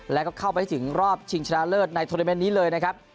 แล้วก็เข้าไปถึงรอบชิงชนะเลิศในโทรเมนต์นี้เลยนะครับ